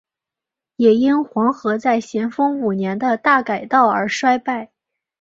也因黄河在咸丰五年的大改道而衰败。